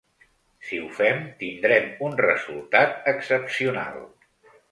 Si ho fem, tindrem un resultat excepcional.